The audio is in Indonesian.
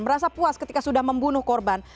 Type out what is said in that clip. merasa puas ketika sudah membunuh korban